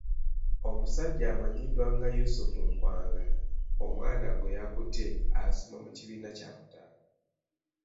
Omusajja amanyiddwa nga Yusuf Nkwanga omwana gweyakutte asoma mu kibiina kya kutaano.